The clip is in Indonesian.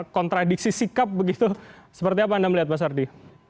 kontradiksi sikap begitu seperti apa anda melihat mas ardi